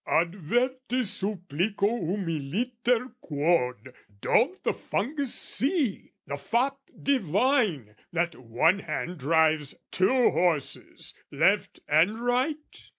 "Adverti supplico humiliter "Quod, don't the fungus see, the fop divine "That one hand drives two horses, left and right?